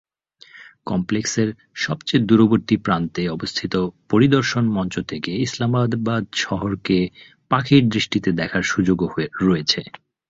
কমপ্লেক্সের সবচেয়ে দূরবর্তী প্রান্তে অবস্থিত পরিদর্শন মঞ্চ থেকে ইসলামাবাদ শহরকে পাখির দৃষ্টিতে দেখার সুযোগও রয়েছে।